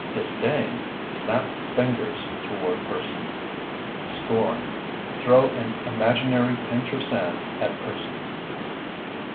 Disdain (Snap fingers toward person). Scorn (Throw an imaginary pinch of sand at person).